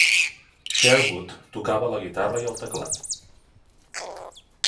Sherwood tocava la guitarra i el teclat.